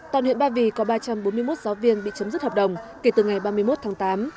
toàn huyện ba vì có ba trăm bốn mươi một giáo viên bị chấm dứt hợp đồng kể từ ngày ba mươi một tháng tám